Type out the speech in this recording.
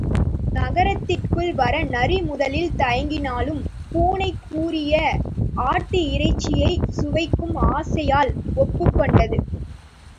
நகரத்திற்குள் வர நரி முதலில் தயங்கினாலும், பூனை கூறிய ஆட்டு இறைச்சியைச் சுவைக்கும் ஆசையால் ஒப்புக்கொண்டது.